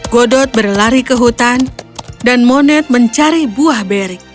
godot berlari ke hutan dan moned mencari buah beri